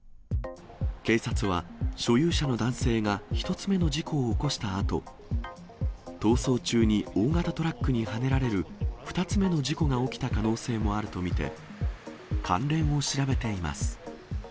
警察は、所有者の男性が１つ目の事故を起こしたあと、逃走中に大型トラックにはねられる２つ目の事故が起きた可能性もあると見て、関連を調べています。